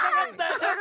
ちょっと！